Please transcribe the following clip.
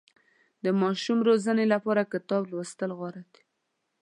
د ماشوم روزنې لپاره کتاب لوستل غوره دي.